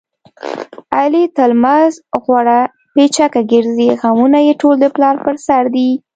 علي تل مست غوړه پیچکه ګرځي. غمونه یې ټول د پلار په سر دي.